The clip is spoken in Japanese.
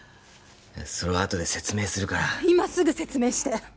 それはあとで説明するから今すぐ説明して！